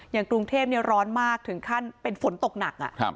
อย่างกรุงเทพร้อนมากถึงขั้นเป็นฝนตกหนัก